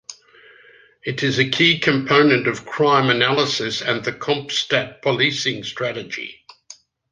It is a key component of crime analysis and the CompStat policing strategy.